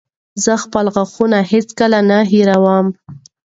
زه خپل غاښونه هېڅکله نه هېروم.